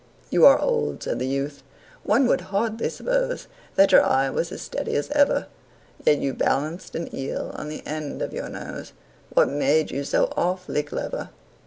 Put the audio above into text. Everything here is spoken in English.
"You are old," said the youth, "one would hardly suppose That your eye was as steady as ever; Yet you balanced an eel on the end of your nose What made you so awfully clever?"